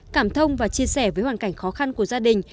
cảm thông và chia sẻ với hoàn cảnh khó khăn của gia đình